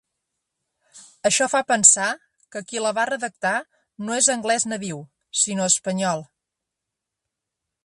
Això fa pensar que qui la va redactar no és anglès nadiu, sinó espanyol.